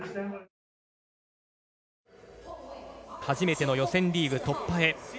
初めての予選リーグ突破へ。